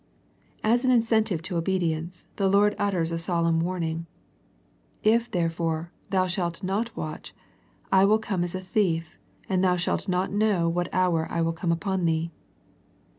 As an incentive to obedience, the Lord ut ters a solemn warning. " If therefore thou shalt not watch, I will come as a thief, and thou shalt not know what hour I will come upon thee."